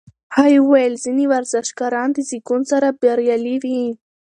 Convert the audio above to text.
هغې وویل ځینې ورزشکاران د زېږون سره بریالي وي.